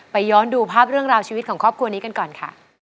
ย้อนดูภาพเรื่องราวชีวิตของครอบครัวนี้กันก่อนค่ะ